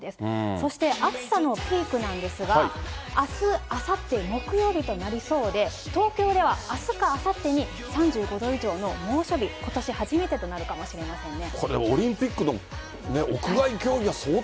そして暑さのピークなんですが、あす、あさって木曜日となりそうで、東京ではあすかあさってに３５度以上の猛暑日、ことし初めてとなるかもしれませんね。